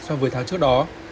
so với tháng trước đó